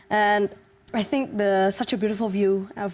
dan saya pikir melihatnya begitu indah